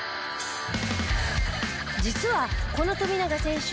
実はこの富永選手